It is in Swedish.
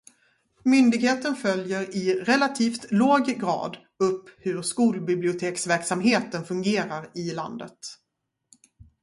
Myndigheten följer i relativt låg grad upp hur skolbiblioteksverksamheten fungerar i landet.